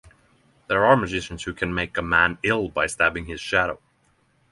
There are magicians who can make a man ill by stabbing his shadow.